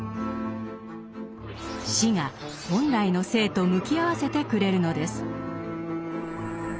死が本来の生と向き合わせてくれるのです。